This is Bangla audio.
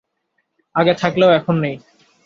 আগে থাকলেও এখন নেই।